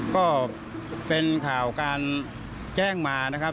ก็เป็นข่าวการแจ้งมานะครับ